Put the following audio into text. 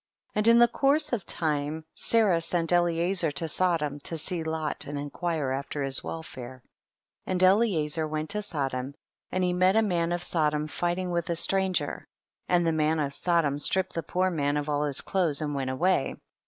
11. And in the course of time Sarah sent Eliezer to Sodom, to see Lot and inquire after his welfare. 12. And Eliezer went to Sodom, and he met a man of Sodom fighting with a stranger, and the man of So dom stripped the poor man of all his clothes and went away.